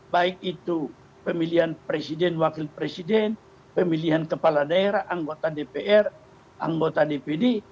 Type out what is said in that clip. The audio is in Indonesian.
baik itu pemilihan presiden wakil presiden pemilihan kepala daerah anggota dpr anggota dpd